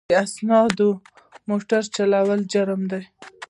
بې اسنادو موټر چلول جرم دی.